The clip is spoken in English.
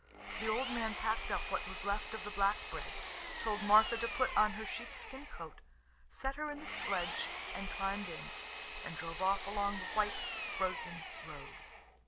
The old man packed up what was left of the black bread, told Martha to put on her sheepskin coat, set her in the sledge and climbed in, and drove off along the white, frozen road.